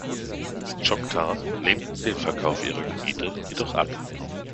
Die Choctaw lehnten den Verkauf ihrer Gebiete jedoch ab.